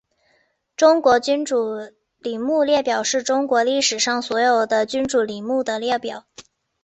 中国君主陵墓列表是中国历史上所有的君主陵墓的列表。